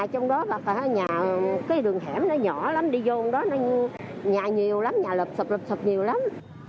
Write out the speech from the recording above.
trong đó cái đường hẻm nó nhỏ lắm đi vô trong đó nhà nhiều lắm nhà lập sập lập sập nhiều lắm